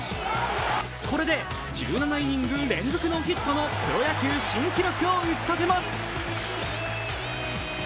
これで１７イニング連続のヒットのプロ野球新記録を打ち立てます。